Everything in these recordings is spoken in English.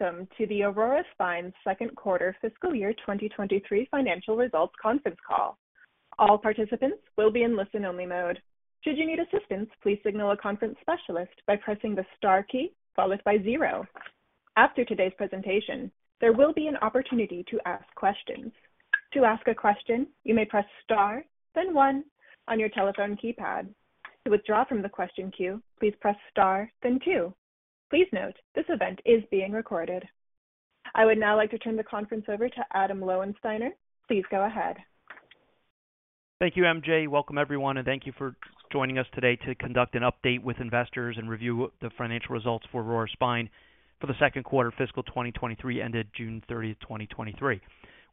Welcome to the Aurora Spine second quarter fiscal year 2023 financial results conference call. All participants will be in listen-only mode. Should you need assistance, please signal a conference specialist by pressing the star key followed by zero. After today's presentation, there will be an opportunity to ask questions. To ask a question, you may press star, then one on your telephone keypad. To withdraw from the question queue, please press star, then two. Please note, this event is being recorded. I would now like to turn the conference over to Adam Lowensteiner. Please go ahead. Thank you, MJ. Welcome everyone, and thank you for joining us today to conduct an update with investors and review the financial results for Aurora Spine for the second quarter fiscal 2023, ended June 30, 2023.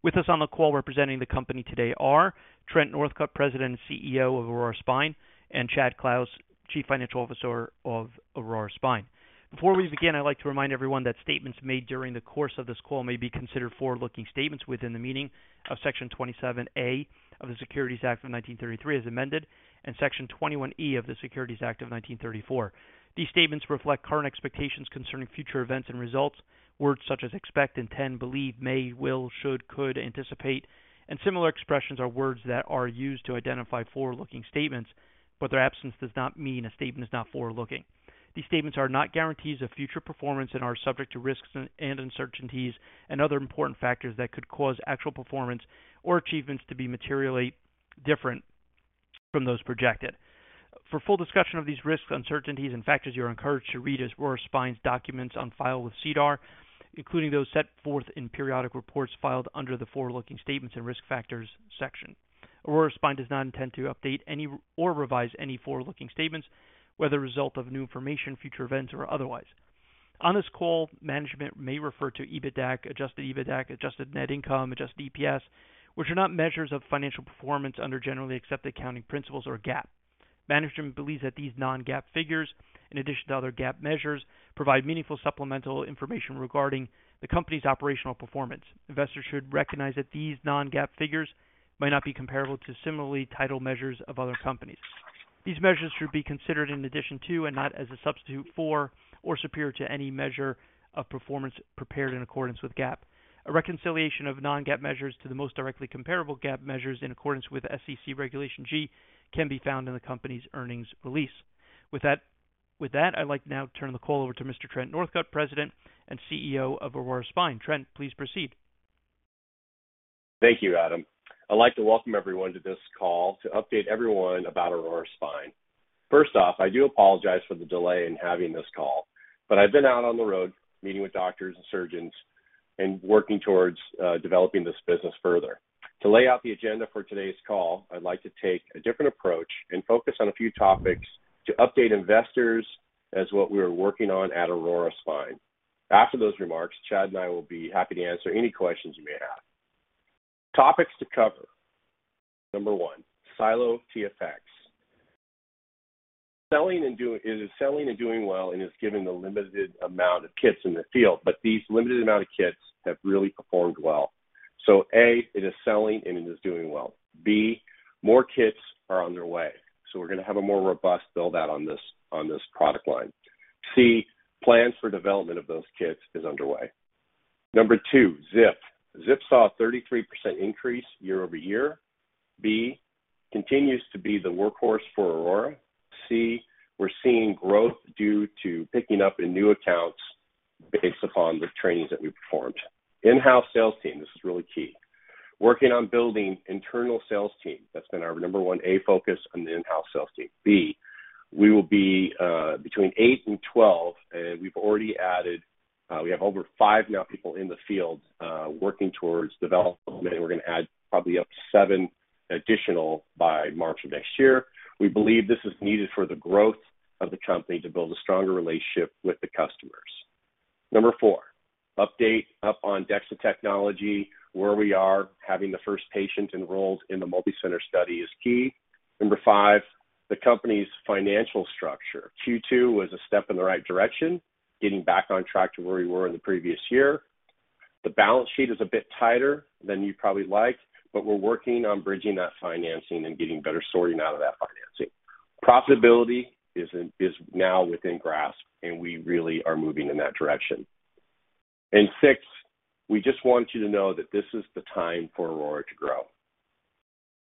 With us on the call representing the company today are Trent Northcutt, President and CEO of Aurora Spine, and Chad Clouse, Chief Financial Officer of Aurora Spine. Before we begin, I'd like to remind everyone that statements made during the course of this call may be considered forward-looking statements within the meaning of Section 27A of the Securities Act of 1933, as amended, and Section 21E of the Securities Act of 1934. These statements reflect current expectations concerning future events and results. Words such as expect, intend, believe, may, will, should, could, anticipate, and similar expressions are words that are used to identify forward-looking statements, but their absence does not mean a statement is not forward-looking. These statements are not guarantees of future performance and are subject to risks and uncertainties and other important factors that could cause actual performance or achievements to be materially different from those projected. For full discussion of these risks, uncertainties and factors, you're encouraged to read Aurora Spine's documents on file with SEDAR, including those set forth in periodic reports filed under the forward-looking statements and risk factors section. Aurora Spine does not intend to update any or revise any forward-looking statements, whether a result of new information, future events, or otherwise. On this call, management may refer to EBITDA, adjusted EBITDA, adjusted net income, adjusted EPS, which are not measures of financial performance under generally accepted accounting principles or GAAP. Management believes that these non-GAAP figures, in addition to other GAAP measures, provide meaningful supplemental information regarding the company's operational performance. Investors should recognize that these non-GAAP figures might not be comparable to similarly titled measures of other companies. These measures should be considered in addition to, and not as a substitute for, or superior to any measure of performance prepared in accordance with GAAP. A reconciliation of non-GAAP measures to the most directly comparable GAAP measures in accordance with SEC Regulation G can be found in the company's earnings release. With that, with that, I'd like to now turn the call over to Mr. Trent Northcutt, President and CEO of Aurora Spine. Trent, please proceed. Thank you, Adam. I'd like to welcome everyone to this call to update everyone about Aurora Spine. First off, I do apologize for the delay in having this call, but I've been out on the road meeting with doctors and surgeons and working towards developing this business further. To lay out the agenda for today's call, I'd like to take a different approach and focus on a few topics to update investors as what we are working on at Aurora Spine. After those remarks, Chad and I will be happy to answer any questions you may have. Topics to cover. Number one, SiLO TFX. It is selling and doing well and is given the limited amount of kits in the field, but these limited amount of kits have really performed well. So A, it is selling and it is doing well. B, more kits are on their way, so we're going to have a more robust build-out on this, on this product line. C, plans for development of those kits is underway. Number two, ZIP. ZIP saw a 33% increase year-over-year. B, continues to be the workhorse for Aurora. C, we're seeing growth due to picking up in new accounts based upon the trainings that we performed. In-house sales team, this is really key. Working on building internal sales team, that's been our number one A focus on the in-house sales team. B, we will be between 8 and 12, and we've already added, we have over 5 now people in the field, working towards development, and we're going to add probably up to 7 additional by March of next year. We believe this is needed for the growth of the company to build a stronger relationship with the customers. Number four, update on DEXA technology, where we are, having the first patient enrolled in the multi-center study is key. Number five, the company's financial structure. Q2 was a step in the right direction, getting back on track to where we were in the previous year. The balance sheet is a bit tighter than you'd probably like, but we're working on bridging that financing and getting better sorting out of that financing. Profitability is now within grasp, and we really are moving in that direction. And six, we just want you to know that this is the time for Aurora to grow.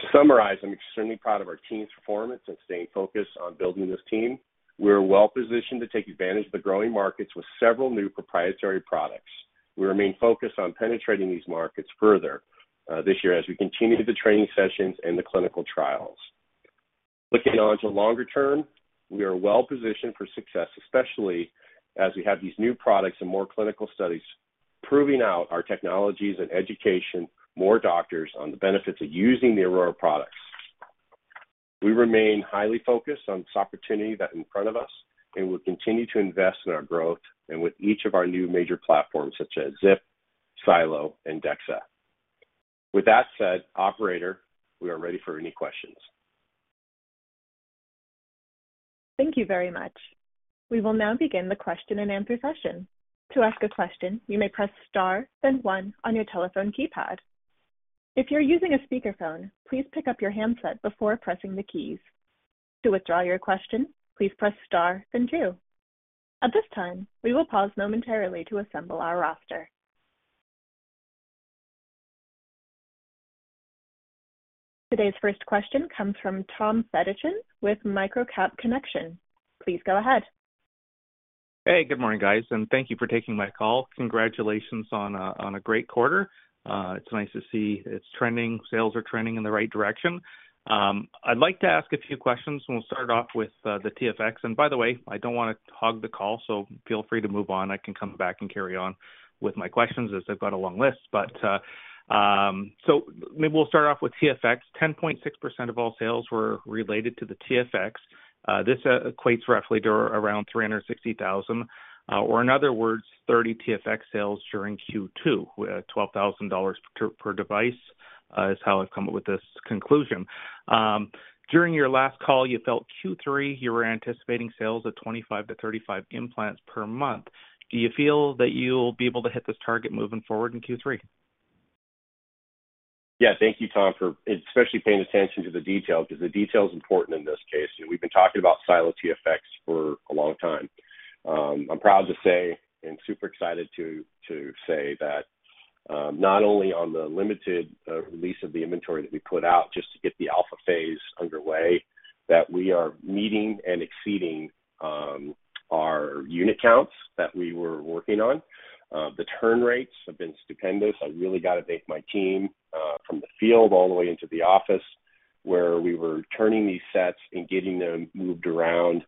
To summarize, I'm extremely proud of our team's performance and staying focused on building this team. We're well positioned to take advantage of the growing markets with several new proprietary products. We remain focused on penetrating these markets further, this year as we continue the training sessions and the clinical trials. Looking out to longer term, we are well positioned for success, especially as we have these new products and more clinical studies, proving out our technologies and education, more doctors on the benefits of using the Aurora products. We remain highly focused on this opportunity that in front of us, and we'll continue to invest in our growth and with each of our new major platforms such as ZIP, SiLO, and DEXA. With that said, operator, we are ready for any questions. Thank you very much. We will now begin the question and answer session. To ask a question, you may press star, then one on your telephone keypad.... If you're using a speakerphone, please pick up your handset before pressing the keys. To withdraw your question, please press star, then two. At this time, we will pause momentarily to assemble our roster. Today's first question comes from Tom Fiddichsen with MicroCap Connection. Please go ahead. Hey, good morning, guys, and thank you for taking my call. Congratulations on a great quarter. It's nice to see it's trending, sales are trending in the right direction. I'd like to ask a few questions, and we'll start off with the TFX. By the way, I don't wanna hog the call, so feel free to move on. I can come back and carry on with my questions, as I've got a long list. Maybe we'll start off with TFX. 10.6% of all sales were related to the TFX. This equates roughly to around $360,000, or in other words, 30 TFX sales during Q2, $12,000 per device, is how I've come up with this conclusion. During your last call, you felt Q3, you were anticipating sales of 25-35 implants per month. Do you feel that you'll be able to hit this target moving forward in Q3? Yeah. Thank you, Tom, for especially paying attention to the detail, because the detail is important in this case. We've been talking about SiLO TFX for a long time. I'm proud to say, and super excited to, to say that, not only on the limited release of the inventory that we put out just to get the alpha phase underway, that we are meeting and exceeding our unit counts that we were working on. The turn rates have been stupendous. I really got to thank my team, from the field all the way into the office, where we were turning these sets and getting them moved around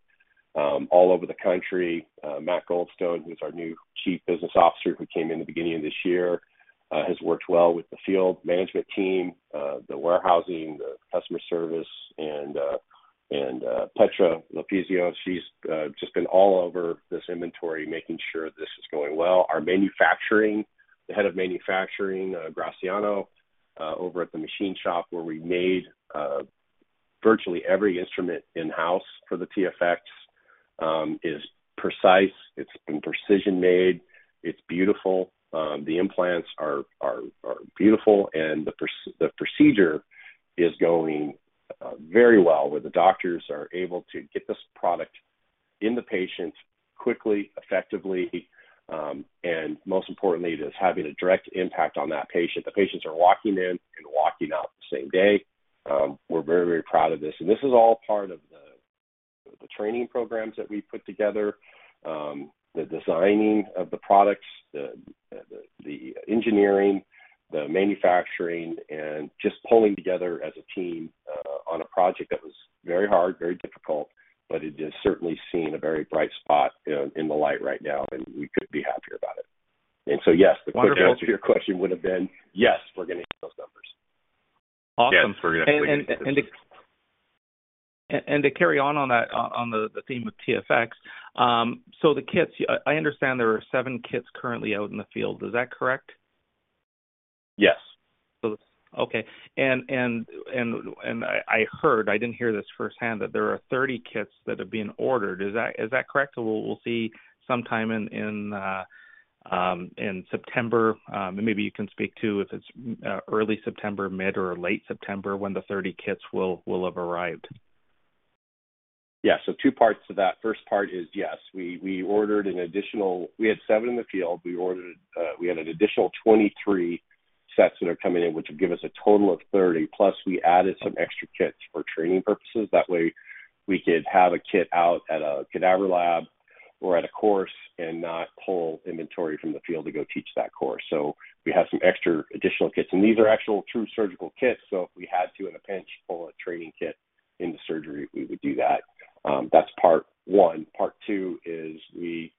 all over the country. Matt Goldstone, who's our new Chief Business Officer, who came in the beginning of this year, has worked well with the field management team, the warehousing, the customer service, and Petra Lopizzo, she's just been all over this inventory, making sure this is going well. Our manufacturing, the head of manufacturing, Graziano, over at the machine shop, where we made virtually every instrument in-house for the TFX, is precise. It's been precision-made. It's beautiful. The implants are beautiful, and the procedure is going very well, where the doctors are able to get this product in the patient quickly, effectively, and most importantly, it is having a direct impact on that patient. The patients are walking in and walking out the same day. We're very, very proud of this, and this is all part of the training programs that we put together, the designing of the products, the engineering, the manufacturing, and just pulling together as a team on a project that was very hard, very difficult, but it is certainly seeing a very bright spot in the light right now, and we couldn't be happier about it. And so, yes, the quick answer to your question would have been, yes, we're gonna hit those numbers. Awesome. Yes, we're gonna- To carry on that theme of TFX, so the kits, I understand there are seven kits currently out in the field. Is that correct? Yes. So, okay. And I heard, I didn't hear this firsthand, that there are 30 kits that are being ordered. Is that correct? We'll see sometime in September, and maybe you can speak to if it's early September, mid or late September, when the 30 kits will have arrived. Yeah. So two parts to that. First part is, yes, we, we ordered an additional... We had 7 in the field. We ordered, we had an additional 23 sets that are coming in, which will give us a total of 30, plus we added some extra kits for training purposes. That way, we could have a kit out at a cadaver lab or at a course and not pull inventory from the field to go teach that course. So we have some extra additional kits, and these are actual true surgical kits, so if we had to, in a pinch, pull a training kit into surgery, we would do that. That's part one. Part two is we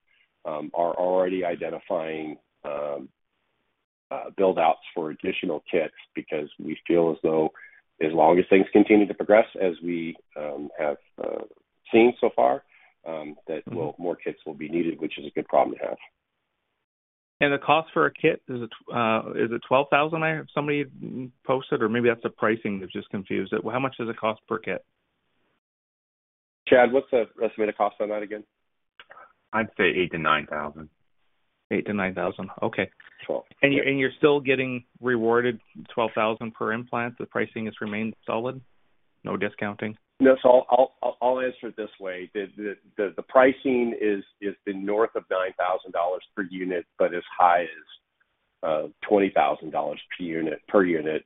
are already identifying build-outs for additional kits because we feel as though as long as things continue to progress, as we have seen so far, that well, more kits will be needed, which is a good problem to have. The cost for a kit, is it $12,000 somebody posted, or maybe that's a pricing that just confused it? How much does it cost per kit? Chad, what's the estimated cost on that again? I'd say 8,000-9,000. 8,000-9,000. Okay. Sure. And you're still getting rewarded $12,000 per implant. The pricing has remained solid? No discounting. No, so I'll answer it this way: the pricing has been north of $9,000 per unit, but as high as $20,000 per unit, per unit.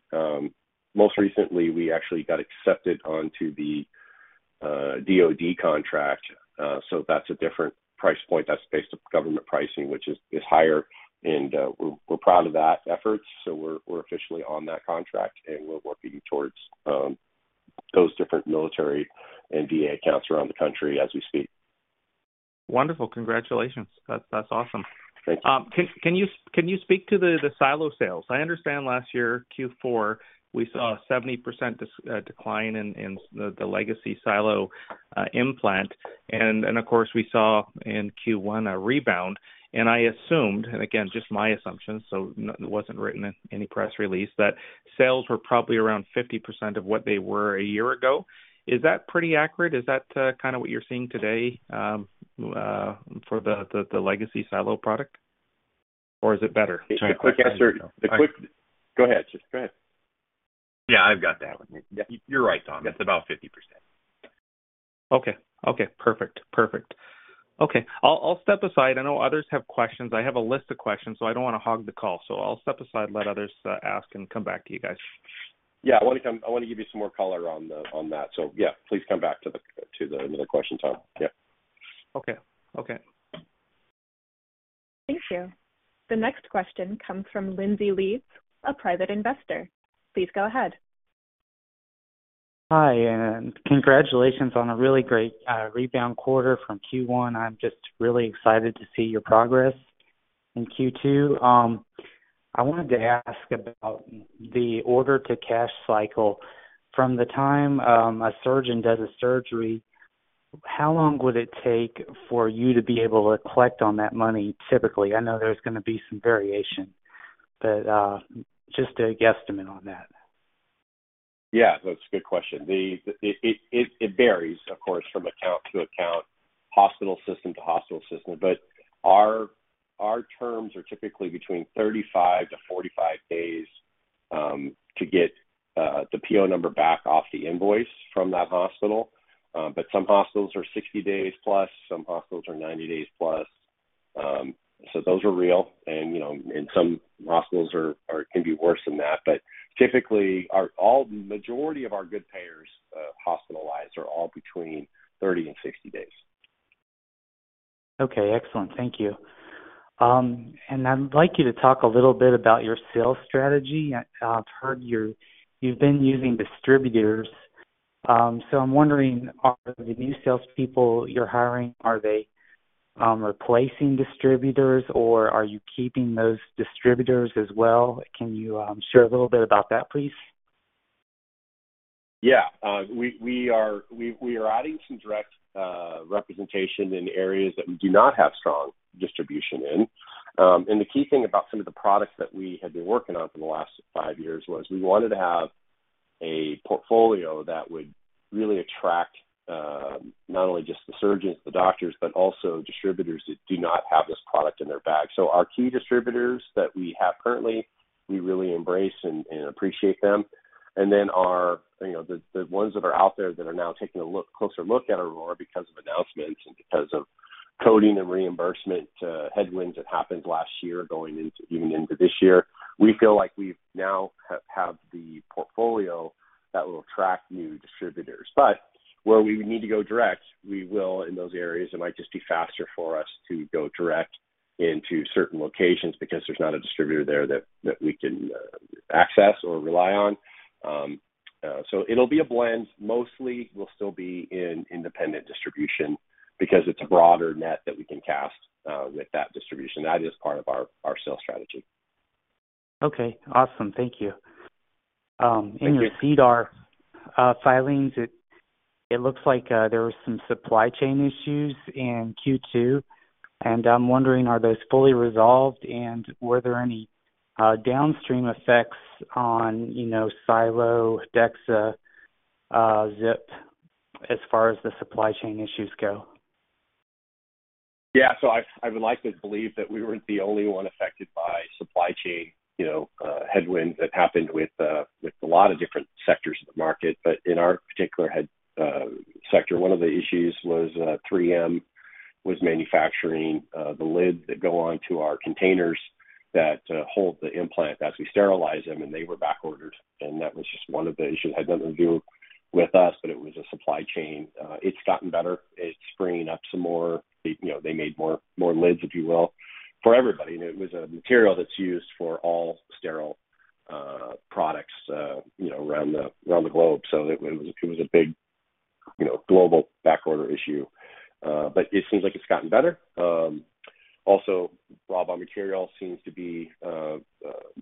Most recently, we actually got accepted onto the DoD contract, so that's a different price point. That's based on government pricing, which is higher, and we're proud of that effort. So we're officially on that contract, and we're working towards those different military and VA accounts around the country as we speak. Wonderful. Congratulations. That's, that's awesome. Thank you. Can you speak to the SiLO sales? I understand last year, Q4, we saw a 70% decline in the legacy SiLO implant, and then, of course, we saw in Q1 a rebound, and I assumed, and again, just my assumption, so it wasn't written in any press release, that sales were probably around 50% of what they were a year ago. Is that pretty accurate? Is that kind of what you're seeing today for the legacy SiLO product, or is it better? The quick answer. Go ahead, just go ahead. Yeah, I've got that one. Yeah, you're right, Tom. It's about 50%.... Okay. Okay, perfect. Perfect. Okay, I'll step aside. I know others have questions. I have a list of questions, so I don't want to hog the call. So I'll step aside and let others ask and come back to you guys. Yeah, I want to give you some more color on that. So, yeah, please come back to another question, Tom. Yeah. Okay. Okay. Thank you. The next question comes from Lindsay Leeds, a private investor. Please go ahead. Hi, and congratulations on a really great rebound quarter from Q1. I'm just really excited to see your progress in Q2. I wanted to ask about the order to cash cycle. From the time a surgeon does a surgery, how long would it take for you to be able to collect on that money, typically? I know there's gonna be some variation, but just a guesstimate on that. Yeah, that's a good question. It varies, of course, from account to account, hospital system to hospital system. But our terms are typically between 35-45 days to get the PO number back off the invoice from that hospital. But some hospitals are 60 days plus, some hospitals are 90 days plus. So those are real and, you know, and some hospitals are, can be worse than that. But typically, our all the majority of our good payers, hospitals, are all between 30-60 days. Okay, excellent. Thank you. I'd like you to talk a little bit about your sales strategy. I've heard you've been using distributors. So I'm wondering, are the new salespeople you're hiring replacing distributors, or are you keeping those distributors as well? Can you share a little bit about that, please? Yeah, we are adding some direct representation in areas that we do not have strong distribution in. And the key thing about some of the products that we have been working on for the last five years was we wanted to have a portfolio that would really attract not only just the surgeons, the doctors, but also distributors that do not have this product in their bag. So our key distributors that we have currently, we really embrace and appreciate them. And then, you know, the ones that are out there that are now taking a closer look at Aurora because of announcements and because of coding and reimbursement headwinds that happened last year, going into even into this year, we feel like we've now have the portfolio that will attract new distributors. But where we need to go direct, we will in those areas. It might just be faster for us to go direct into certain locations because there's not a distributor there that we can access or rely on. So it'll be a blend. Mostly, we'll still be in independent distribution because it's a broader net that we can cast with that distribution. That is part of our sales strategy. Okay, awesome. Thank you. Thank you. In your SEDAR filings, it looks like there were some supply chain issues in Q2, and I'm wondering, are those fully resolved, and were there any downstream effects on, you know, SiLO, DEXA, ZIP, as far as the supply chain issues go? Yeah. So I would like to believe that we weren't the only one affected by supply chain, you know, headwinds that happened with, with a lot of different sectors of the market. But in our particular head, sector, one of the issues was, 3M was manufacturing, the lids that go on to our containers that, hold the implant as we sterilize them, and they were backordered. And that was just one of the issues. It had nothing to do with us, but it was a supply chain. It's gotten better. It's springing up some more. You know, they made more, more lids, if you will, for everybody, and it was a material that's used for all sterile, products, you know, around the globe. So it was, it was a big, you know, global backorder issue, but it seems like it's gotten better. Also, raw material seems to be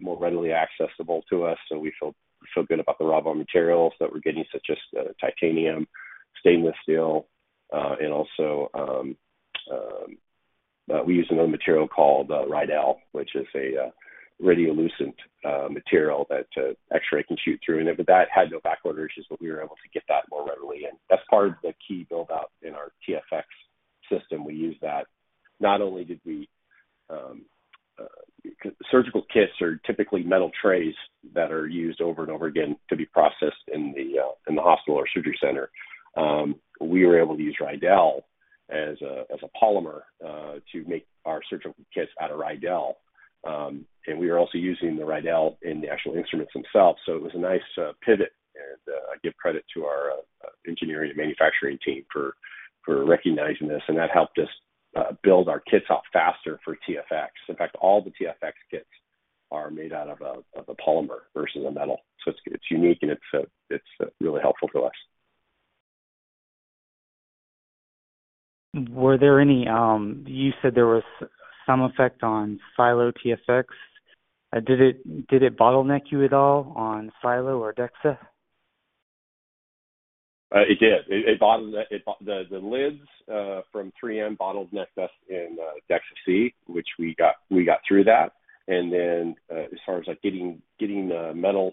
more readily accessible to us, so we feel, we feel good about the raw materials that we're getting, such as titanium, stainless steel, and also, we use another material called Radel, which is a radiolucent material that X-ray can shoot through. And but that had no backorder issues, but we were able to get that more readily, and that's part of the key build-out in our TFX system. We use that. Not only did we surgical kits are typically metal trays that are used over and over again to be processed in the hospital or surgery center. We were able to use Radel as a polymer to make our surgical kits out of Radel. We are also using the Radel in the actual instruments themselves, so it was a nice pivot, and I give credit to our engineering and manufacturing team for recognizing this, and that helped us build our kits out faster for TFX. In fact, all the TFX kits are made out of a polymer versus a metal. So it's really helpful for us. Were there any? You said there was some effect on SiLO TFX. Did it bottleneck you at all on SiLO or DEXA? It did. It bottlenecked the lids from 3M, bottlenecked us in DEXA-C, which we got through that. And then, as far as, like, getting the metal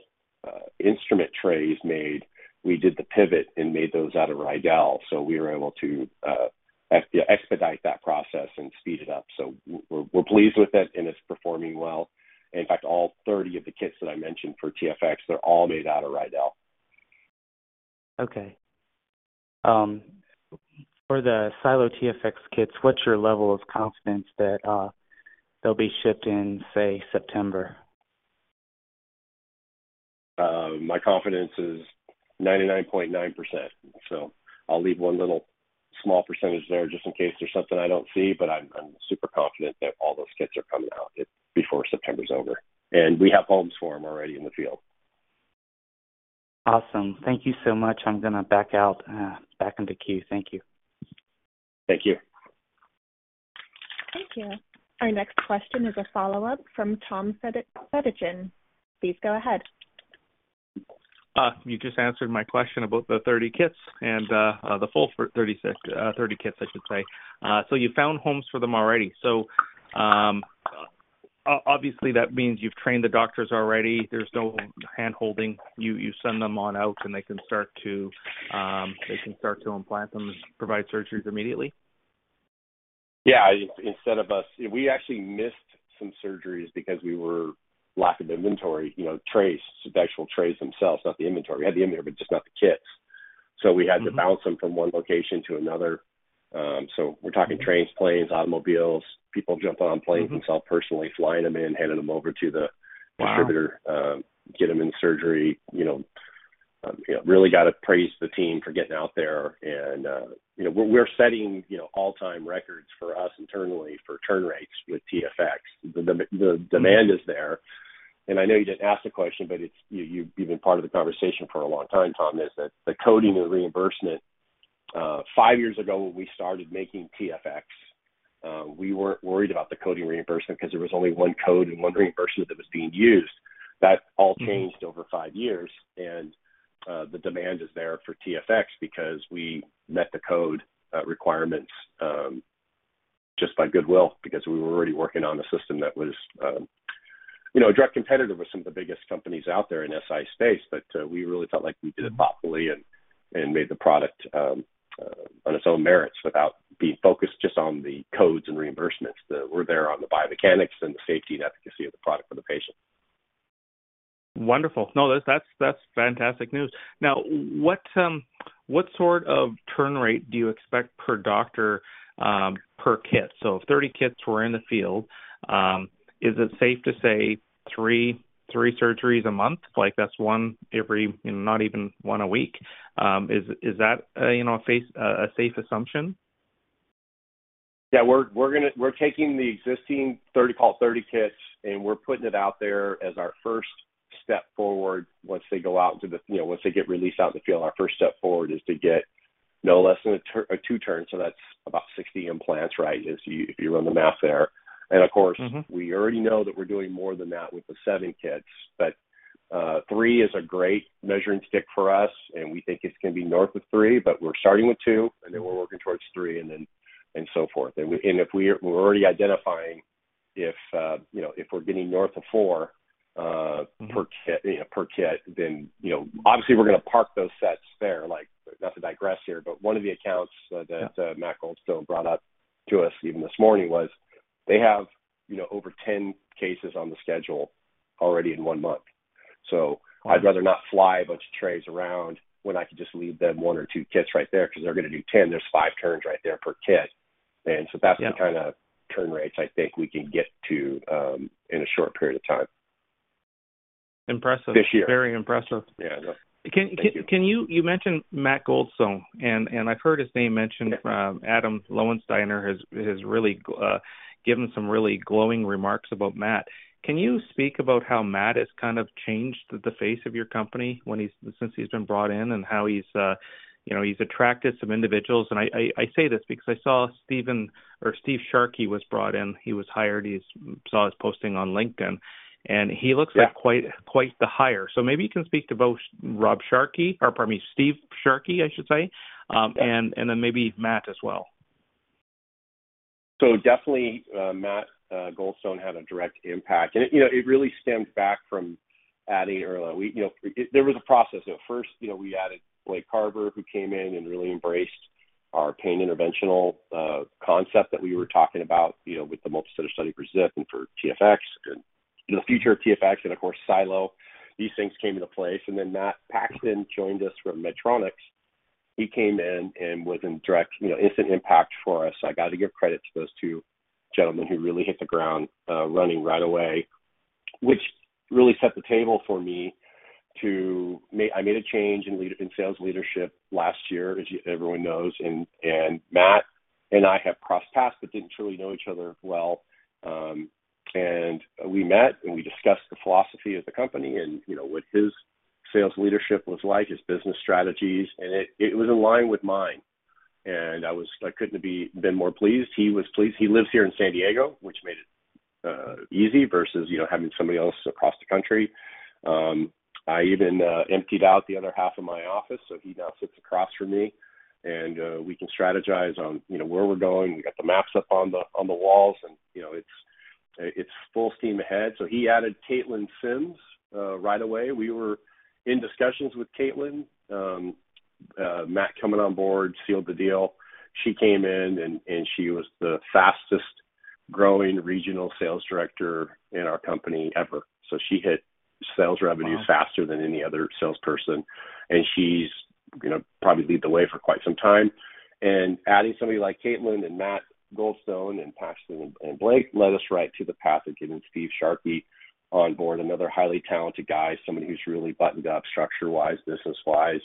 instrument trays made, we did the pivot and made those out of Radel, so we were able to expedite that process and speed it up. So we're pleased with it, and it's performing well. In fact, all 30 of the kits that I mentioned for TFX, they're all made out of Radel. Okay. For the SiLO TFX kits, what's your level of confidence that they'll be shipped in, say, September? My confidence is 99.9%, so I'll leave one little small percentage there just in case there's something I don't see, but I'm super confident that all those kits are coming out before September's over, and we have homes for them already in the field. Awesome. Thank you so much. I'm gonna back out, back into queue. Thank you. Thank you. Thank you. Our next question is a follow-up from Tom Fiddichsen. Please go ahead. You just answered my question about the 30 kits and the full 36, 30 kits, I should say. So you found homes for them already. So, obviously, that means you've trained the doctors already. There's no handholding. You send them on out, and they can start to implant them and provide surgeries immediately? Yeah, instead of us... We actually missed some surgeries because we were lack of inventory, you know, trays, the actual trays themselves, not the inventory. We had the inventory, but just not the kits. So we had to bounce them from one location to another. So we're talking trains, planes, automobiles, people jumping on planes myself, personally, flying them in, handing them over to the- Wow! Distributor, get them in surgery. You know, really got to praise the team for getting out there. And, you know, we're setting, you know, all-time records for us internally for turn rates with TFX. The demand is there, and I know you didn't ask the question, but it's you, you've been part of the conversation for a long time, Tom, is that the coding and reimbursement, five years ago, when we started making TFX, we weren't worried about the coding reimbursement because there was only one code and one reimbursement that was being used. That all changed over five years, and the demand is there for TFX because we met the code requirements just by goodwill, because we were already working on a system that was, you know, a direct competitive with some of the biggest companies out there in SI space. But we really felt like we did it thoughtfully and, and made the product on its own merits without being focused just on the codes and reimbursements that were there on the biomechanics and the safety and efficacy of the product for the patient. Wonderful. No, that's, that's fantastic news. Now, what sort of turn rate do you expect per doctor, per kit? So if 30 kits were in the field, is it safe to say 3, 3 surgeries a month? Like, that's one every, you know, not even one a week. Is, is that, you know, a safe, a safe assumption? Yeah, we're gonna take the existing 30-call 30 kits, and we're putting it out there as our first step forward once they go out to the... You know, once they get released out in the field, our first step forward is to get no less than a turn, a two-turn, so that's about 60 implants, right? If you run the math there. Mm-hmm. And of course, we already know that we're doing more than that with the 7 kits. But, three is a great measuring stick for us, and we think it's going to be north of 3, but we're starting with 2, and then we're working towards 3, and then, and so forth. And we, and if we, we're already identifying if, you know, if we're getting north of 4, Mm-hmm. per kit, you know, per kit, then, you know, obviously we're going to park those sets there. Like, not to digress here, but one of the accounts that Matt Goldstone brought up to us even this morning was they have, you know, over 10 cases on the schedule already in one month. So I'd rather not fly a bunch of trays around when I could just leave them 1 or 2 kits right there because they're going to do 10. There's 5 turns right there per kit. Yeah. That's the kind of turn rates I think we can get to, in a short period of time. Impressive. This year. Very impressive. Yeah. Can you mentioned Matt Goldstone, and I've heard his name mentioned? Yeah. from Adam Lowensteiner has really given some really glowing remarks about Matt. Can you speak about how Matt has kind of changed the face of your company since he's been brought in, and how he's, you know, attracted some individuals? And I say this because I saw Steven or Steve Sharkey was brought in. He was hired. He's—I saw his posting on LinkedIn, and he looks- Yeah Like quite, quite the hire. So maybe you can speak to both Rob Sharkey or, pardon me, Steve Sharkey, I should say, and then maybe Matt as well. So definitely, Matt Goldstone had a direct impact. And, you know, it really stemmed back from adding early. We, you know, there was a process. At first, you know, we added Blake Carver, who came in and really embraced our pain interventional concept that we were talking about, you know, with the multicenter study for ZIP and for TFX, and the future of TFX, and of course, SiLO. These things came into place, and then Matt Paxton joined us from Medtronic. He came in and was in direct, you know, instant impact for us. I got to give credit to those two gentlemen who really hit the ground running right away, which really set the table for me to make... I made a change in sales leadership last year, as everyone knows, and Matt and I have crossed paths but didn't truly know each other well. And we met, and we discussed the philosophy of the company and, you know, what his sales leadership was like, his business strategies, and it was in line with mine. And I couldn't have been more pleased. He was pleased. He lives here in San Diego, which made it easy versus, you know, having somebody else across the country. I even emptied out the other half of my office, so he now sits across from me, and we can strategize on, you know, where we're going. We got the maps up on the walls, and, you know, it's full steam ahead. So he added Katelyn Sims right away. We were in discussions with Katelyn. Matt coming on board sealed the deal. She came in, and she was the fastest growing regional sales director in our company ever. So she hit sales revenues faster than any other salesperson, and she's gonna probably lead the way for quite some time. Adding somebody like Katelyn and Matt Goldstone and Paxton and Blake led us right to the path of getting Steve Sharkey on board, another highly talented guy, somebody who's really buttoned up structure-wise, business-wise,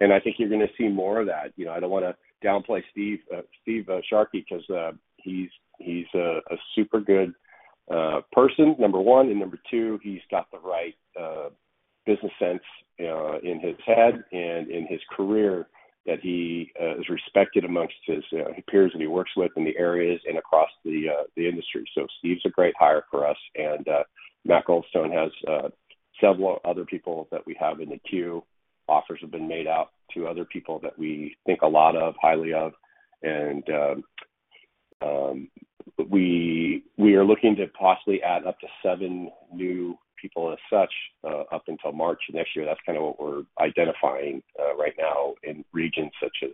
and I think you're gonna see more of that. You know, I don't wanna downplay Steve Sharkey, 'cause he's a super good person, number one, and number two, he's got the right business sense in his head and in his career, that he is respected amongst his peers, and he works with in the areas and across the industry. So Steve's a great hire for us, and Matt Goldstone has several other people that we have in the queue. Offers have been made out to other people that we think a lot of, highly of, and we are looking to possibly add up to seven new people as such, up until March next year. That's kind of what we're identifying right now in regions such as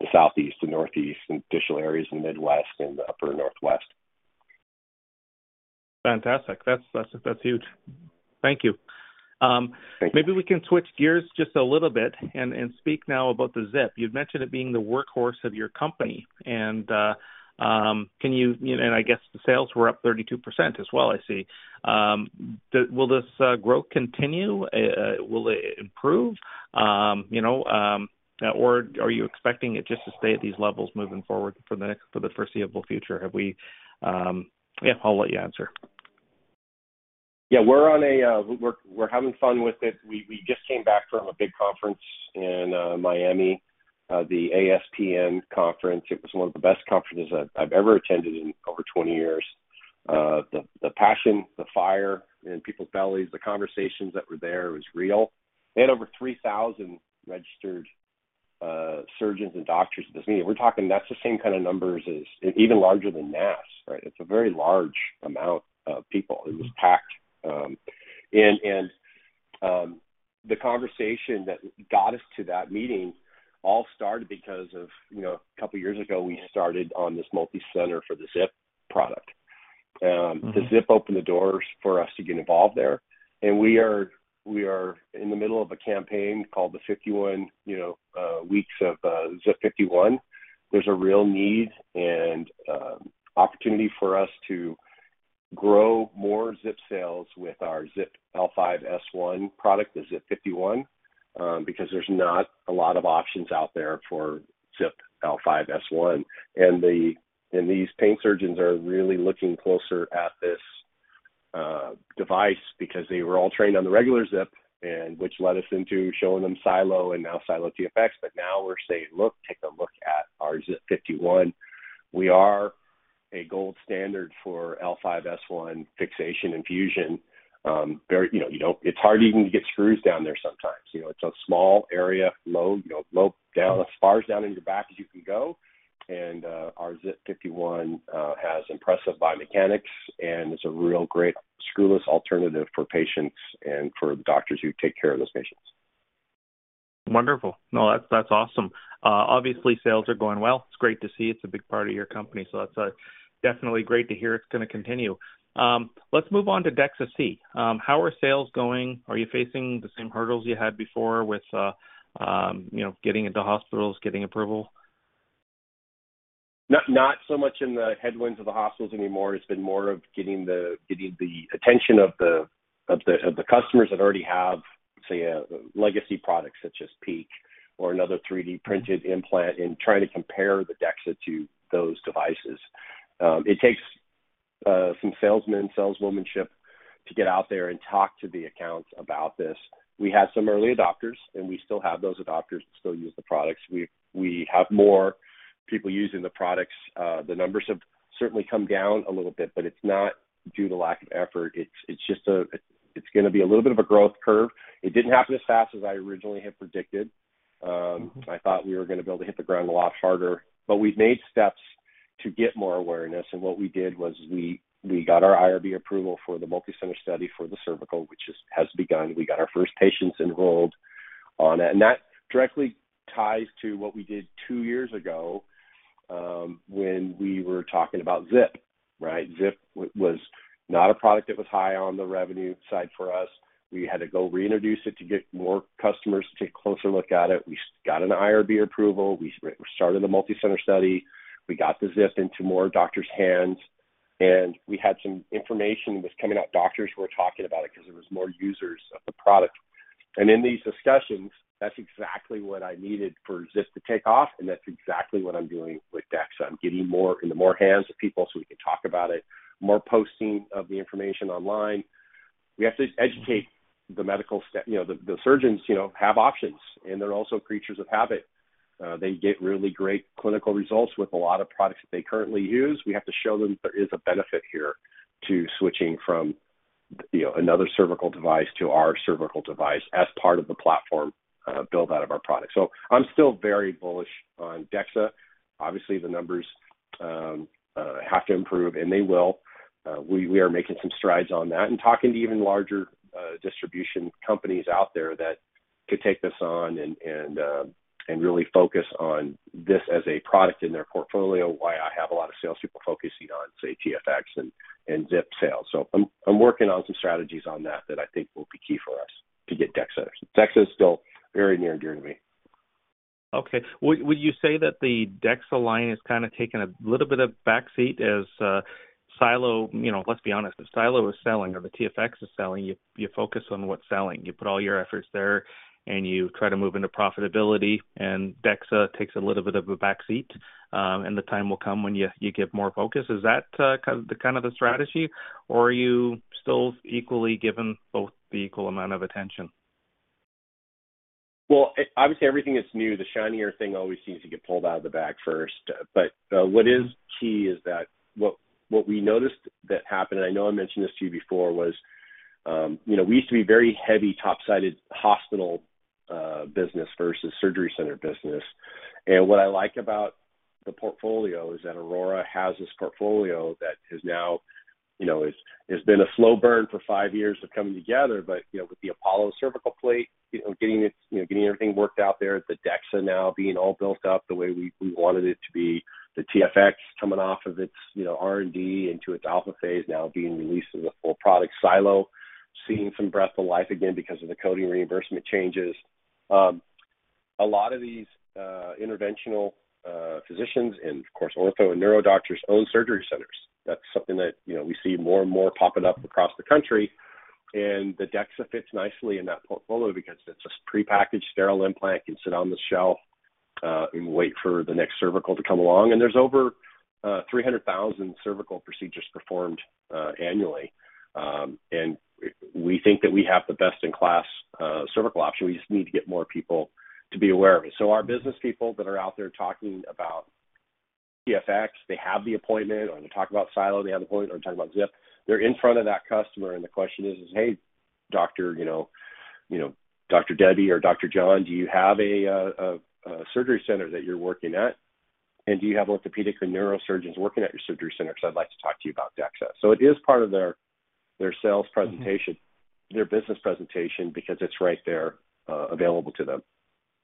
the Southeast and Northeast, and additional areas in the Midwest and the upper Northwest. Fantastic. That's huge. Thank you. Thank you. Maybe we can switch gears just a little bit and speak now about the ZIP. You'd mentioned it being the workhorse of your company, and you know, and I guess the sales were up 32% as well, I see. Will this growth continue? Will it improve? You know, or are you expecting it just to stay at these levels moving forward for the foreseeable future? Have we... Yeah, I'll let you answer. Yeah, we're on a, we're having fun with it. We just came back from a big conference in Miami, the ASPN conference. It was one of the best conferences I've ever attended in over 20 years. The passion, the fire in people's bellies, the conversations that were there was real. They had over 3,000 registered surgeons and doctors at this meeting. We're talking, that's the same kind of numbers as, even larger than NASS, right? It's a very large amount of people. Mm-hmm. It was packed. The conversation that got us to that meeting all started because of, you know, a couple of years ago, we started on this multicenter for the ZIP product. Mm-hmm. The ZIP opened the doors for us to get involved there, and we are, we are in the middle of a campaign called the 51, you know, ZIP 51. There's a real need and opportunity for us to grow more ZIP sales with our ZIP L5-S1 product, the ZIP 51, because there's not a lot of options out there for ZIP L5-S1. And these pain surgeons are really looking closer at this device because they were all trained on the regular ZIP, and which led us into showing them SiLO and now SiLO-TFX. But now we're saying, "Look, take a look at our ZIP 51." We are a gold standard for L5-S1 fixation and fusion. Very, you know, you don't. It's hard even to get screws down there sometimes. You know, it's a small area, low, you know, low down, as far as down in your back as you can go, and our ZIP 51 has impressive biomechanics, and it's a real great Screwless alternative for patients and for the doctors who take care of those patients. Wonderful. No, that's, that's awesome. Obviously, sales are going well. It's great to see. It's a big part of your company, so that's definitely great to hear it's gonna continue. Let's move on to DEXA-C. How are sales going? Are you facing the same hurdles you had before with, you know, getting into hospitals, getting approval? Not, not so much in the headwinds of the hospitals anymore. It's been more of getting the, getting the attention of the, of the, of the customers that already have, say, a legacy product, such as PEEK or another 3D-printed implant, and trying to compare the DEXA to those devices. It takes some salesmen, saleswomanship to get out there and talk to the accounts about this. We had some early adopters, and we still have those adopters, still use the products. We, we have more people using the products. The numbers have certainly come down a little bit, but it's not due to lack of effort. It's just it's gonna be a little bit of a growth curve. It didn't happen as fast as I originally had predicted. Mm-hmm. I thought we were gonna be able to hit the ground a lot harder, but we've made steps to get more awareness. And what we did was we, we got our IRB approval for the multicenter study for the cervical, which has begun. We got our first patients enrolled on it. And that directly ties to what we did two years ago, when we were talking about ZIP, right? ZIP was not a product that was high on the revenue side for us. We had to go reintroduce it to get more customers to take a closer look at it. We got an IRB approval. We started a multicenter study. We got the ZIP into more doctors' hands, and we had some information that was coming out. Doctors were talking about it 'cause there was more users of the product. In these discussions, that's exactly what I needed for ZIP to take off, and that's exactly what I'm doing with DEXA. I'm getting more into more hands of people so we can talk about it, more posting of the information online. We have to educate the medical—you know, the surgeons, you know, have options, and they're also creatures of habit. They get really great clinical results with a lot of products that they currently use. We have to show them there is a benefit here to switching from—you know, another cervical device to our cervical device as part of the platform build out of our product. So I'm still very bullish on DEXA. Obviously, the numbers have to improve, and they will. We are making some strides on that and talking to even larger distribution companies out there that could take this on and really focus on this as a product in their portfolio, why I have a lot of salespeople focusing on, say, TFX and ZIP sales. So I'm working on some strategies on that that I think will be key for us to get DEXA. DEXA is still very near and dear to me. Okay. Would you say that the DEXA line has kind of taken a little bit of backseat as SiLO, you know, let's be honest, if SiLO is selling or the TFX is selling, you focus on what's selling. You put all your efforts there, and you try to move into profitability, and DEXA takes a little bit of a backseat, and the time will come when you give more focus. Is that kind of the strategy, or are you still equally given both the equal amount of attention? Well, obviously, everything is new. The shinier thing always seems to get pulled out of the bag first. But what is key is that what we noticed that happened, and I know I mentioned this to you before, was, you know, we used to be very heavy, top-sided hospital business versus surgery center business. And what I like about the portfolio is that Aurora has this portfolio that has now, you know, it's been a slow burn for five years of coming together, but with the Apollo cervical plate, you know, getting it, you know, getting everything worked out there, the DEXA now being all built up the way we wanted it to be, the TFX coming off of its R&D into its alpha phase, now being released as a full product. SiLO, seeing some breath of life again because of the coding reimbursement changes. A lot of these interventional physicians and, of course, ortho and neuro doctors own surgery centers. That's something that, you know, we see more and more popping up across the country, and the DEXA fits nicely in that portfolio because it's a prepackaged sterile implant, can sit on the shelf, and wait for the next cervical to come along. And there's over 300,000 cervical procedures performed annually. And we think that we have the best-in-class cervical option. We just need to get more people to be aware of it. So our business people that are out there talking about TFX, they have the appointment, or they talk about SiLO, they have the appointment, or talk about ZIP. They're in front of that customer, and the question is: "Hey, doctor, you know, you know, Dr. Debbie or Dr. John, do you have a surgery center that you're working at? And do you have orthopedic or neurosurgeons working at your surgery center? Because I'd like to talk to you about DEXA." So it is part of their sales presentation, their business presentation, because it's right there, available to them.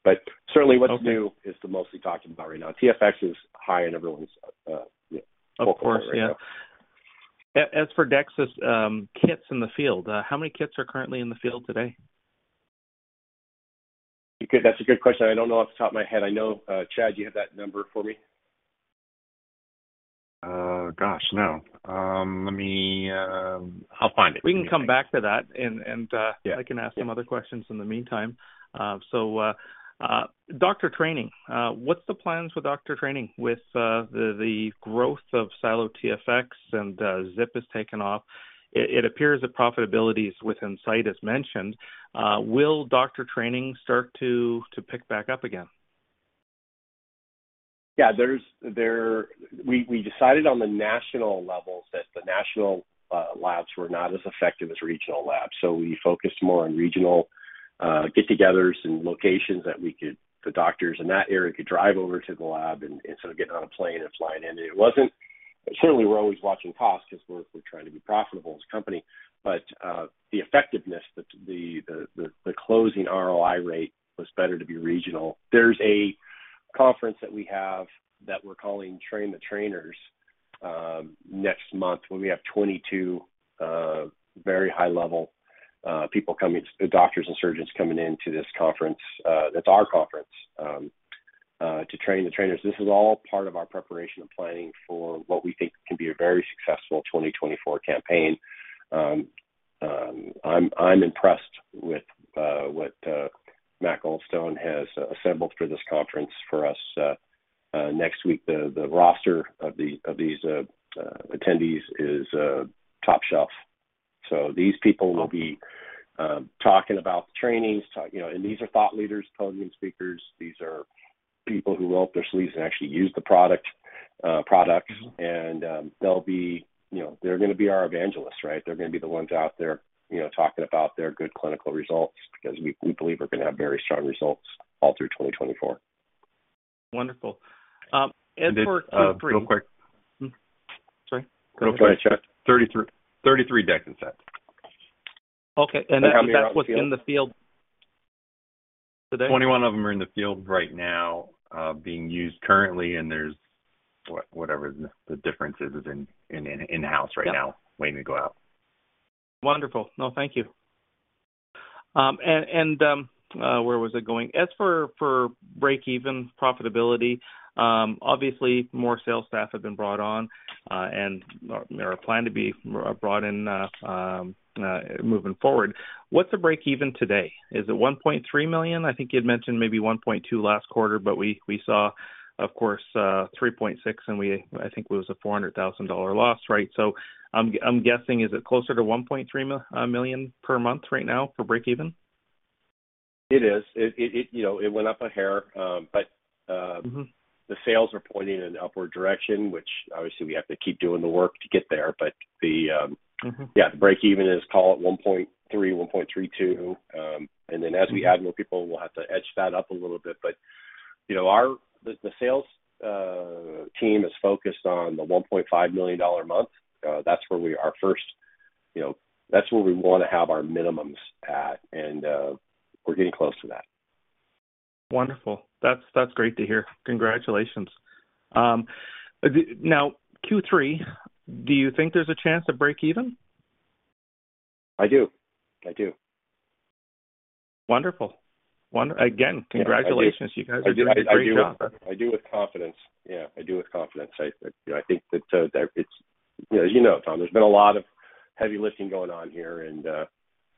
But certainly what's new is the mostly talking about right now. TFX is high on everyone's. Of course, yeah. As for DEXA's kits in the field, how many kits are currently in the field today? Okay, that's a good question. I don't know off the top of my head. I know, Chad, do you have that number for me? Gosh, no. Let me, I'll find it. We can come back to that, and Yeah. I can ask some other questions in the meantime. Doctor training, what's the plans with doctor training with the growth of SiLO TFX and Zip has taken off? It appears that profitability is within sight, as mentioned. Will doctor training start to pick back up again? Yeah, we decided on the national levels that the national labs were not as effective as regional labs, so we focused more on regional get-togethers and locations that the doctors in that area could drive over to the lab instead of getting on a plane and flying in. It wasn't certainly, we're always watching costs because we're trying to be profitable as a company, but the effectiveness, the closing ROI rate was better to be regional. There's a conference that we have that we're calling Train the Trainers next month, where we have 22 very high-level people coming, doctors and surgeons coming into this conference, that's our conference to train the trainers. This is all part of our preparation and planning for what we think can be a very successful 2024 campaign. I'm impressed with what Matt Goldstone has assembled for this conference for us next week. The roster of these attendees is top shelf. So these people will be talking about the trainings. You know, and these are thought leaders, podium speakers. These are people who roll up their sleeves and actually use the product, products. And they'll be, you know, they're going to be our evangelists, right? They're going to be the ones out there, you know, talking about their good clinical results, because we believe we're going to have very strong results all through 2024. Wonderful. As for- Real quick. Hmm, sorry. Real quick, Chad. 33, 33 DEXA sets. Okay, and that's what's in the field today? 21 of them are in the field right now, being used currently, and there's whatever the difference is in-house right now- Yeah Waiting to go out. Wonderful. No, thank you. Where was I going? As for break-even profitability, obviously, more sales staff have been brought on, and there are planned to be brought in, moving forward. What's the break-even today? Is it $1.3 million? I think you'd mentioned maybe $1.2 last quarter, but we saw, of course, $3.6, and we, I think it was a $400,000 loss, right? So I'm guessing, is it closer to $1.3 million per month right now for break-even?... It is. You know, it went up a hair, but- Mm-hmm. the sales are pointing in an upward direction, which obviously we have to keep doing the work to get there. But the, Mm-hmm. Yeah, the break-even is, call it $1.3, $1.32. And then as we add more people, we'll have to edge that up a little bit. But, you know, our sales team is focused on the $1.5 million a month. That's where we want to have our minimums at, you know, and we're getting close to that. Wonderful. That's, that's great to hear. Congratulations. Now, Q3, do you think there's a chance to break even? I do. I do. Wonderful. Again, congratulations. I do. You guys are doing a great job. I do with confidence. Yeah, I do with confidence. I, you know, I think that, that it's... You know, as you know, Tom, there's been a lot of heavy lifting going on here, and,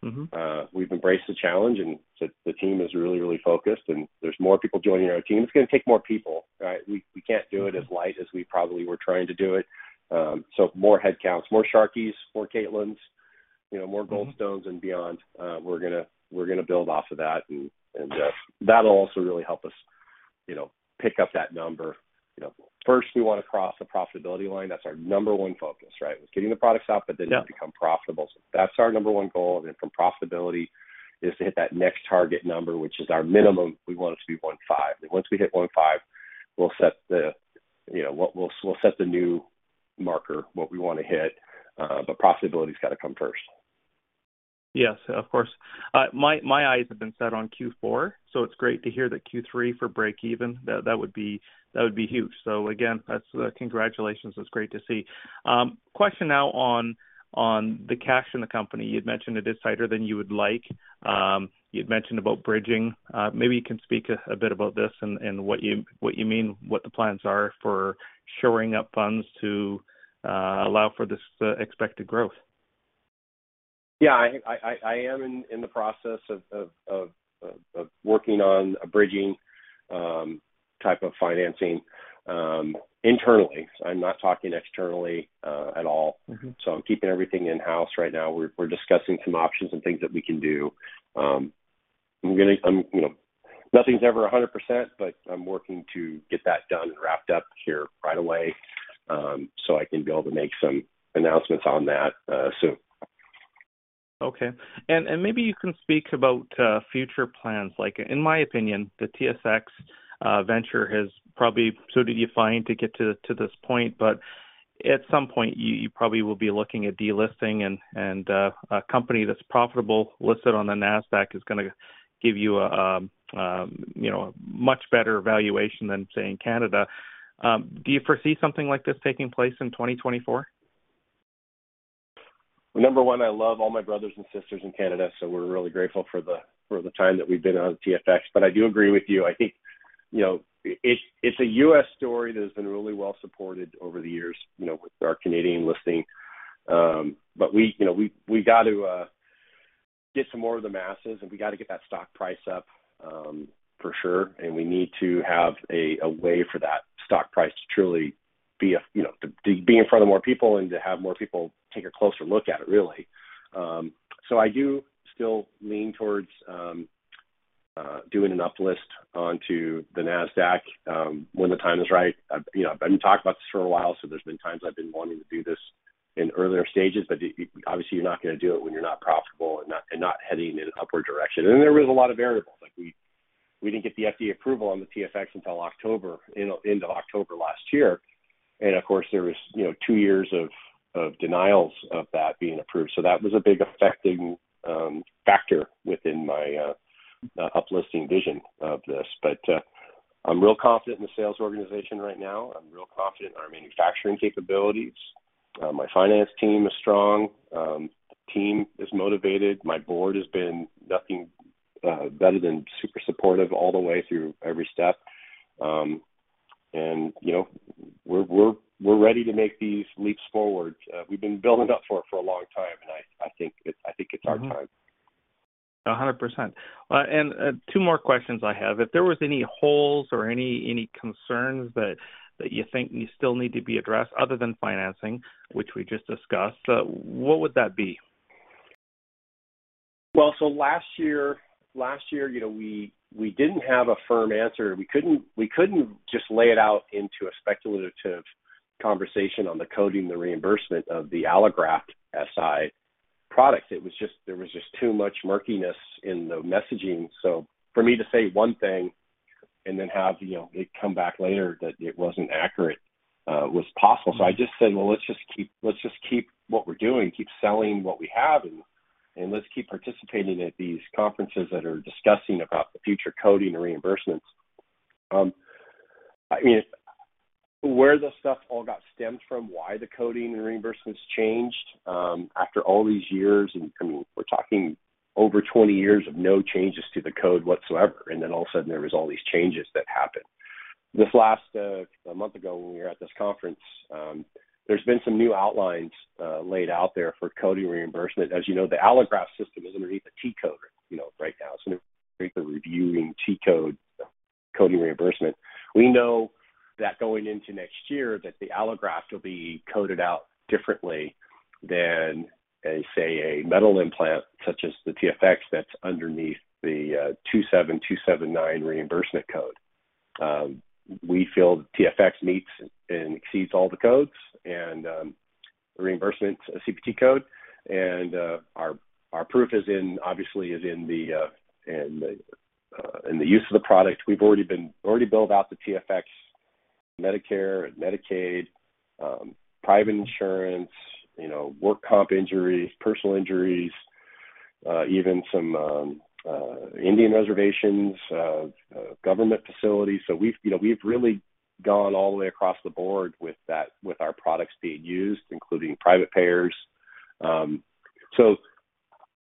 Mm-hmm... we've embraced the challenge, and the, the team is really, really focused, and there's more people joining our team. It's gonna take more people, right? We, we can't do it as light as we probably were trying to do it. So more headcounts, more Sharkies, more Katelyns, you know, more Goldstones and beyond. We're gonna, we're gonna build off of that, and, and, that'll also really help us, you know, pick up that number. You know, first, we want to cross the profitability line. That's our number one focus, right? It's getting the products out, but then to become profitable. So that's our number one goal, and then from profitability is to hit that next target number, which is our minimum. We want it to be $0.5. Once we hit 0.5, we'll set the, you know, we'll, we'll set the new marker, what we want to hit, but profitability has got to come first. Yes, of course. My eyes have been set on Q4, so it's great to hear that Q3 for break even. That would be huge. So again, that's congratulations. It's great to see. Question now on the cash in the company. You'd mentioned it is tighter than you would like. You'd mentioned about bridging. Maybe you can speak a bit about this and what you mean, what the plans are for shoring up funds to allow for this expected growth. Yeah, I am in the process of working on a bridging type of financing internally. So I'm not talking externally at all. Mm-hmm. So I'm keeping everything in-house right now. We're discussing some options and things that we can do. I'm gonna... I'm, you know, nothing's ever 100%, but I'm working to get that done and wrapped up here right away, so I can be able to make some announcements on that, soon. Okay. And maybe you can speak about future plans. Like, in my opinion, the TSX Venture has probably suited you fine to get to this point, but at some point, you probably will be looking at delisting and a company that's profitable, listed on the Nasdaq is gonna give you, you know, a much better valuation than, say, in Canada. Do you foresee something like this taking place in 2024? Number 1, I love all my brothers and sisters in Canada, so we're really grateful for the time that we've been on TSX. But I do agree with you. I think, you know, it's a U.S. story that has been really well supported over the years, you know, with our Canadian listing. But we, you know, we got to get some more of the masses, and we got to get that stock price up, for sure. And we need to have a way for that stock price to truly be a, you know, to be in front of more people and to have more people take a closer look at it, really. So I do still lean towards doing an Uplist onto the Nasdaq when the time is right. I've, you know, I've been talking about this for a while, so there's been times I've been wanting to do this in earlier stages, but you-- obviously, you're not gonna do it when you're not profitable and heading in an upward direction. And there was a lot of variables. Like, we didn't get the FDA approval on the TSX until October, end of October last year. And of course, there was, you know, two years of denials of that being approved. So that was a big affecting factor within my Uplisting vision of this. But, I'm real confident in the sales organization right now. I'm real confident in our manufacturing capabilities. My finance team is strong. Team is motivated. My board has been nothing better than super supportive all the way through every step. And, you know, we're ready to make these leaps forward. We've been building up for a long time, and I think it's our time. 100%. And two more questions I have. If there was any holes or any concerns that you think you still need to be addressed, other than financing, which we just discussed, what would that be? Well, so last year, last year, you know, we, we didn't have a firm answer. We couldn't, we couldn't just lay it out into a speculative conversation on the coding, the reimbursement of the allograft SI product. It was just. There was just too much murkiness in the messaging. So for me to say one thing and then have, you know, it come back later that it wasn't accurate was possible. So I just said, "Well, let's just keep what we're doing, keep selling what we have, and let's keep participating at these conferences that are discussing about the future coding and reimbursements." I mean, where this stuff all got stemmed from, why the coding and reimbursements changed, after all these years, and, I mean, we're talking over 20 years of no changes to the code whatsoever, and then all of a sudden, there was all these changes that happened. This last, a month ago, when we were at this conference, there's been some new outlines laid out there for coding reimbursement. As you know, the allograft system is underneath the T code, you know, right now. It's under reviewing T code coding reimbursement. We know that going into next year that the allograft will be coded out differently than a, say, a metal implant, such as the TFX, that's underneath the 27279 reimbursement code. We feel TFX meets and exceeds all the codes and reimbursement CPT code, and our proof is in, obviously, in the use of the product. We've already billed out the TFX Medicare and Medicaid, private insurance, you know, work comp injuries, personal injuries, even some Indian reservations, government facilities. So we've, you know, we've really gone all the way across the board with that, with our products being used, including private payers. So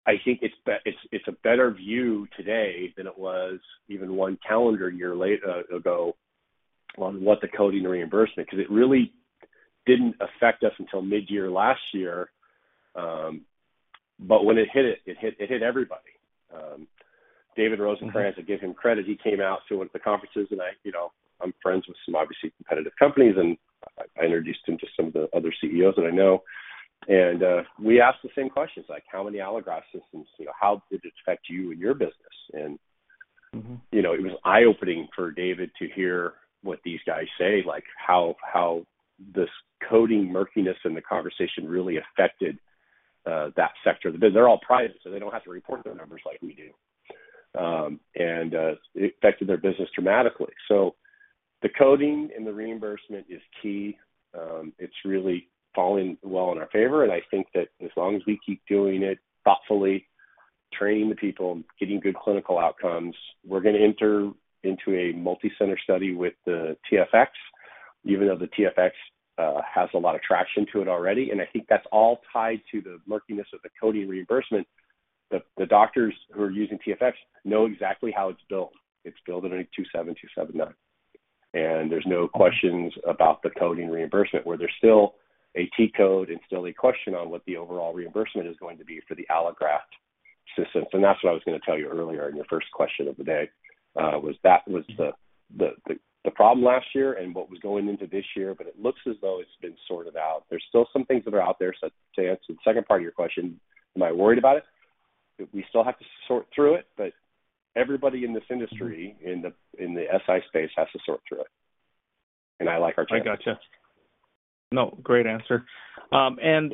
I think it's a better view today than it was even one calendar year late ago on what the coding and reimbursement, because it really didn't affect us until mid-year last year. But when it hit, it hit everybody. David Rosenkranz, I give him credit. He came out to one of the conferences, and I, you know, I'm friends with some obviously competitive companies, and I introduced him to some of the other CEOs that I know. And we asked the same questions, like, how many allograft systems, you know, how did it affect you and your business? And Mm-hmm. You know, it was eye-opening for David to hear what these guys say, like, how this coding murkiness in the conversation really affected that sector. They're all private, so they don't have to report their numbers like we do. And it affected their business dramatically. So the coding and the reimbursement is key. It's really falling well in our favor, and I think that as long as we keep doing it thoughtfully, training the people, getting good clinical outcomes, we're gonna enter into a multicenter study with the TFX, even though the TFX has a lot of traction to it already. And I think that's all tied to the murkiness of the coding reimbursement. The doctors who are using TFX know exactly how it's billed. It's billed under 27279, and there's no questions about the coding reimbursement, where there's still a T code and still a question on what the overall reimbursement is going to be for the allograft systems. And that's what I was gonna tell you earlier in your first question of the day, was that was the problem last year and what was going into this year, but it looks as though it's been sorted out. There's still some things that are out there. So to answer the second part of your question, am I worried about it? We still have to sort through it, but everybody in this industry, in the SI space, has to sort through it, and I like our chances. I gotcha. No, great answer. And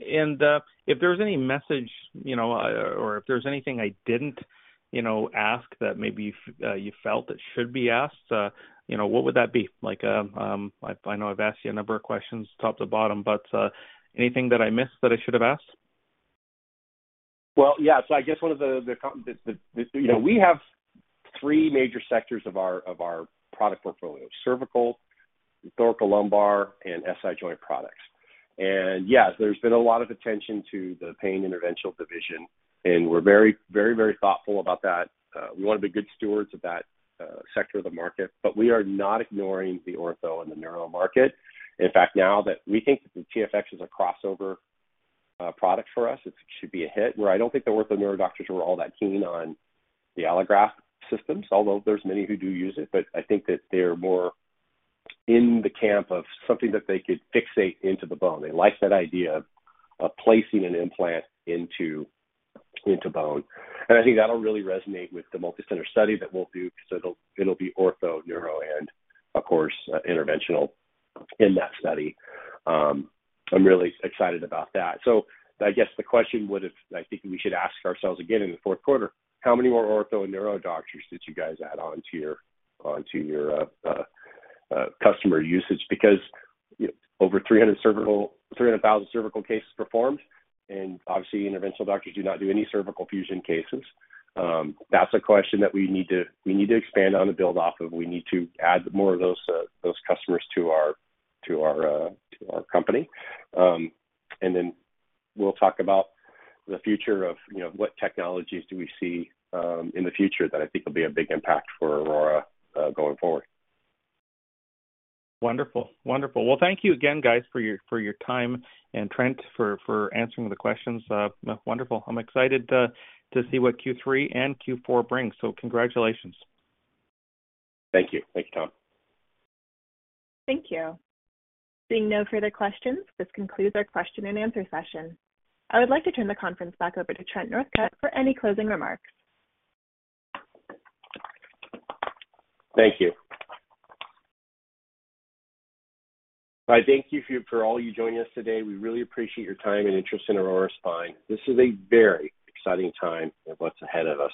if there's any message, you know, or if there's anything I didn't, you know, ask that maybe you felt that should be asked, you know, what would that be? Like, I know I've asked you a number of questions, top to bottom, but anything that I missed that I should have asked? Well, yeah. So I guess one of the, you know, we have three major sectors of our, of our product portfolio: cervical, thoracolumbar, and SI joint products. And yes, there's been a lot of attention to the pain interventional division, and we're very, very, very thoughtful about that. We want to be good stewards of that sector of the market, but we are not ignoring the ortho and the neural market. In fact, now that we think that the TFX is a crossover product for us, it should be a hit, where I don't think the ortho neuro doctors were all that keen on the allograft systems, although there's many who do use it. But I think that they're more in the camp of something that they could fixate into the bone. They like that idea of placing an implant into bone, and I think that'll really resonate with the multicenter study that we'll do because it'll be ortho, neuro, and of course, interventional in that study. I'm really excited about that. So I guess the question would have... I think we should ask ourselves again in the fourth quarter, how many more ortho and neuro doctors did you guys add on to your customer usage? Because, you know, over 300,000 cervical cases performed, and obviously, interventional doctors do not do any cervical fusion cases. That's a question that we need to expand on and build off of. We need to add more of those customers to our company. And then we'll talk about the future of, you know, what technologies do we see in the future that I think will be a big impact for Aurora going forward. Wonderful. Wonderful. Well, thank you again, guys, for your time, and Trent for answering the questions. Wonderful. I'm excited to see what Q3 and Q4 brings, so congratulations. Thank you. Thank you, Tom. Thank you. Seeing no further questions, this concludes our question and answer session. I would like to turn the conference back over to Trent Northcutt for any closing remarks. Thank you. I thank you for all you joining us today. We really appreciate your time and interest in Aurora Spine. This is a very exciting time of what's ahead of us.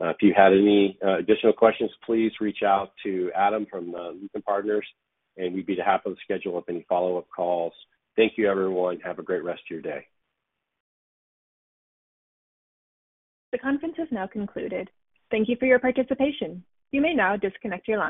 If you had any additional questions, please reach out to Adam from the Lytham Partners, and we'd be happy to schedule up any follow-up calls. Thank you, everyone. Have a great rest of your day. The conference is now concluded. Thank you for your participation. You may now disconnect your lines.